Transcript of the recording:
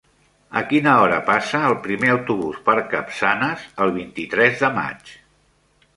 A quina hora passa el primer autobús per Capçanes el vint-i-tres de maig?